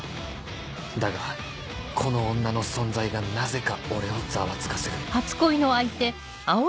だがこの女の存在がなぜか俺をざわつかせる